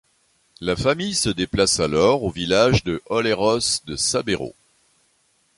La famille se déplace alors au village de Olleros de Sabero.